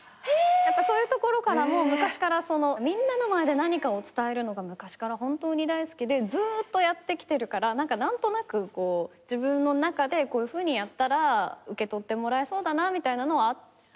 そういうところからも昔からみんなの前で何かを伝えるのが本当に大好きでずっとやってきてるから何となく自分の中でこういうふうにやったら受け取ってもらえそうだなみたいなのはあったんだよね。